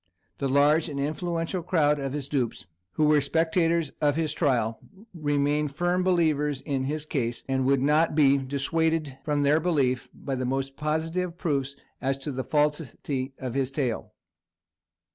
The large and influential crowd of his dupes, who were spectators of his trial, remained firm believers in his case, and would not be dissuaded from their belief by the most positive proofs as to the falsity of his tale.